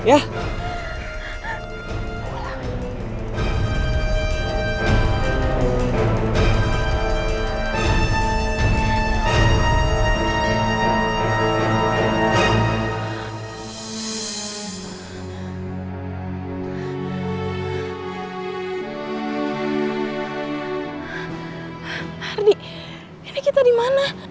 ardi ini kita dimana